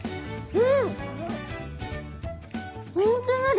うん。